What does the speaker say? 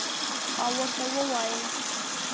او ورته ووایي: